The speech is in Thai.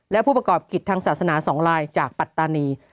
และผู้ประกอบกิจทางศาสนา๒ลายจากปัตตานี